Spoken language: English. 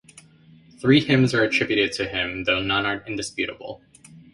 Three hymns are attributed to him, though none are indisputable.